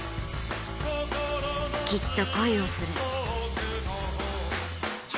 きっと恋をする。